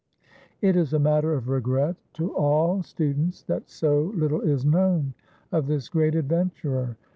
It is a matter of regret to all students that so little is known of this great adventurer.